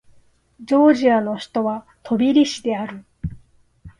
ジョージアの首都はトビリシである